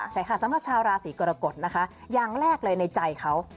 ใช่ค่ะสำหรับชาวราศีกรกฎนะคะอย่างแรกเลยในใจเขา